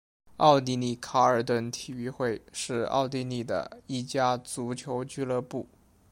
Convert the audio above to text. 奥地利卡尔顿体育会是奥地利的一家足球俱乐部。